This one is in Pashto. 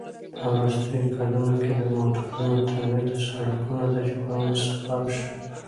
په وروستیو کلونو کې د موټرونو تولید د سړکونو د جوړونې سبب شو.